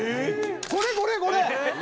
これ、これ、これ！